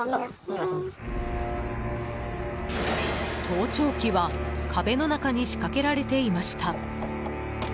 盗聴器は壁の中に仕掛けられていました。